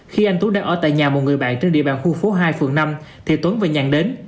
khi anh tuấn đang ở tại nhà một người bạn trên địa bàn khu phố hai phường năm thì tuấn và nhàn đến